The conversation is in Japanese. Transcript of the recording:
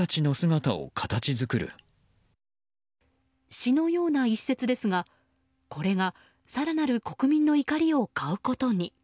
詩のような一節ですが、これが更なる国民の怒りを買うことに。